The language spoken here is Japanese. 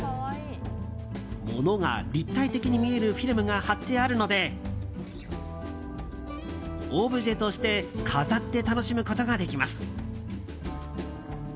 物が立体的に見えるフィルムが貼ってあるのでオブジェとして飾って楽しむことができます。